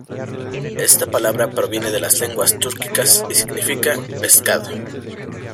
Esta palabra proviene de las lenguas túrquicas y significa "pescado".